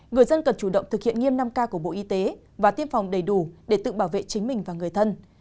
người dân cần chủ động thực hiện nghiêm năm k của bộ y tế và tiêm phòng đầy đủ để tự bảo vệ chính mình và người thân